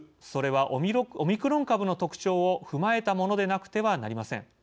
それはオミクロン株の特徴を踏まえたものでなくてはなりません。